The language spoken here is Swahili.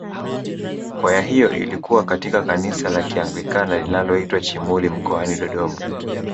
Kwaya hiyo ilikuwa katika kanisa la kianglikana linaloitwa Chimuli mkoani Dodoma